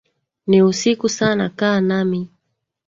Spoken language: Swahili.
Ni usiku sana kaa nami